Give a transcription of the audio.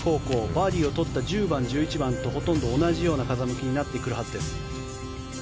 バーディーを取った１０番、１１番とほとんど同じような風向きになってくるはずです。